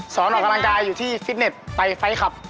ออกกำลังกายอยู่ที่ฟิตเน็ตไปไฟล์คลับ